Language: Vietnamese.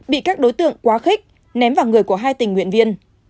bị các đối tượng quá khích ném vào người của hai tình nguyện viên